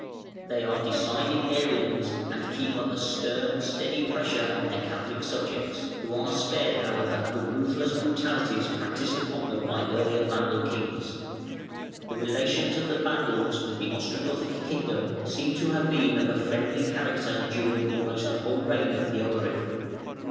They are decided Arians, and keep up a stern, steady pressure on their Catholic subjects, who are spared, however, the ruthless brutalities practised upon them by the earlier Vandal kings. The relations of the Vandals with the Ostrogothic kingdom seem to have been of a friendly character during almost the whole reign of Theodoric.